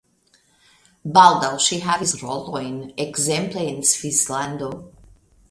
Baldaŭ ŝi havis rolojn ekzemple en Svislando.